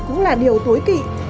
cũng là điều tối kỵ